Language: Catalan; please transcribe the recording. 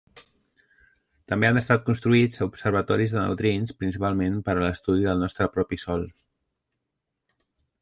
També han estat construïts observatoris de neutrins, principalment per a l'estudi del nostre propi Sol.